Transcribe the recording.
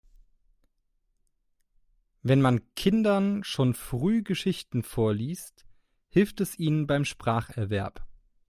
Wenn man Kindern schon früh Geschichten vorliest, hilft es ihnen beim Spracherwerb.